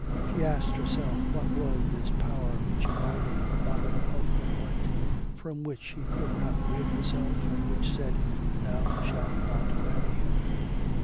She asked herself, what was this power which abided in the bottom of her heart, from which she could not rid herself, and which said, 'thou shalt not marry him.'